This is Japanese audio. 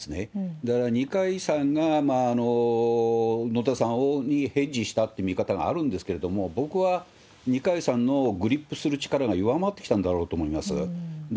だから二階さんが野田さんにヘッジしたっていう見方があるんですけれども、僕は二階さんのグリップする力が弱まってきたんだろうと思います。